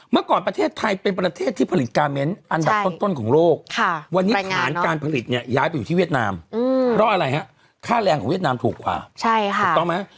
เมื่อก่อนประเทศไทยเป็นประเทศที่ผลิตกาเมนต์อันดับต้นของโลกวันนี้ฐานการผลิตเนี่ยย้ายไปอยู่ที่เวียดนามเพราะอะไรฮะค่าแรงของเวียดนามถูกกว่าถูกต้องไหม